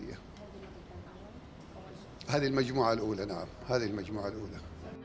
ini adalah jumlah pertama